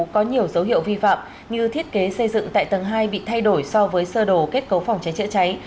có nhiều dấu hiệu vi phạm như thiết kế xây dựng tại tầng hai bị thay đổi so với sơ đồ kết cấu phòng cháy chữa cháy